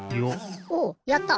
おおやった。